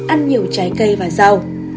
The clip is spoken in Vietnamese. chín ăn nhiều trái cây và rau